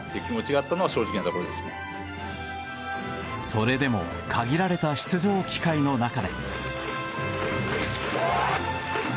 それでも限られた出場機会の中で。